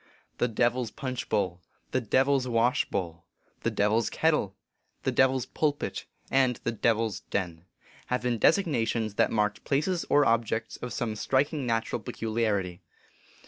" The Devil s Punch bowl," " The Devil s Wash bowl," " The Devil s Ket tle," "The Devil s Pulpit," and " The Devil s Den," have been designations that marked places or objects of some striking natural peculiarity.